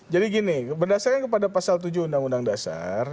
jadi gini berdasarkan kepada pasal tujuh undang undang dasar